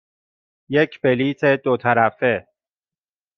یک بلیط دو طرفه.